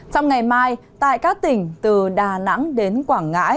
trong ngày mai tại các tỉnh từ đà nẵng đến quảng ngãi